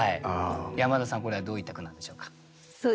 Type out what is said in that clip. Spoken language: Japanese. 山田さんこれはどういった句なんでしょうか？